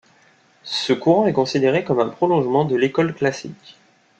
Ce courant est considéré comme un prolongement de l'école classique.